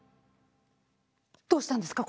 どうしたんですか？